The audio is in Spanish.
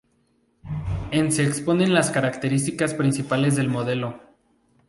En se exponen las características principales del modelo.